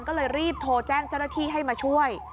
ก็เลยรีบโทรแจ้งเจ้าหน้าที่ให้มาช่วย